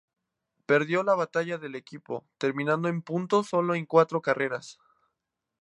Perdió la batalla del equipo, terminando en puntos solo en cuatro carreras.